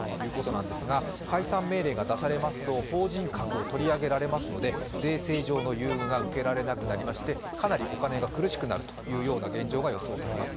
宗教法人は皆さんご存じのように収益事業以外は、非課税ですが解散命令が出されますと法人格を取り上げられますので税制上の優遇が受けられなくなりまして、かなりお金が苦しくなるという現状が予想されます。